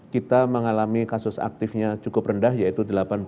kita mengalami kasus aktifnya cukup rendah yaitu delapan puluh